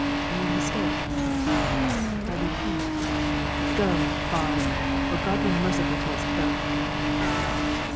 "You mistake, Anders; I repent" "Go, Baard, or God be merciful to us both!"